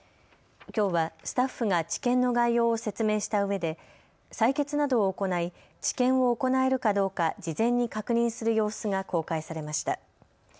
きょうはスタッフが治験の概要を説明したうえで採血などを行い治験を行えるかどうか事前に確認する様子が公開されました。